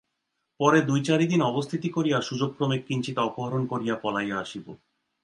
পরে দুই চারি দিন অবস্থিতি করিয়া সুযোগক্রমে কিঞ্চিৎ অপহরণ করিয়া পলাইয়া আসিব।